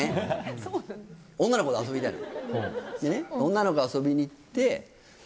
女の子と遊びに行って。